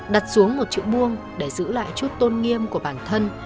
đặt xuống một chữ buông để giữ lại chút tôn nghiêm của bản thân